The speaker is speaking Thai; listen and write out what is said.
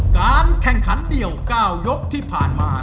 การแข่งขันเดี่ยว๙ยกที่ผ่านมา